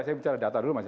saya bicara data dulu mas